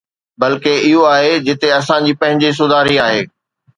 بلڪه، اهو آهي جتي اسان جي پنهنجي سڌاري آهي.